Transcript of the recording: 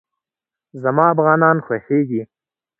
زما افغانان خوښېږي